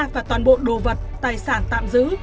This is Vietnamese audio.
và toàn bộ đồ vật tài sản tạm giữ